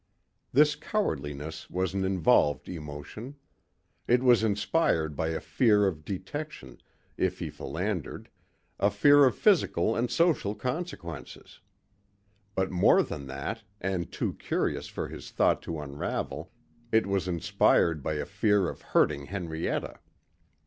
This cowardliness was an involved emotion. It was inspired by a fear of detection, if he philandered, a fear of physical and social consequences. But more than that and too curious for his thought to unravel, it was inspired by a fear of hurting Henrietta.